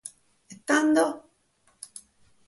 Tando?